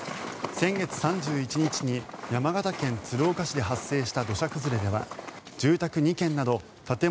先月３１日に山形県鶴岡市で発生した土砂崩れでは住宅２軒など建物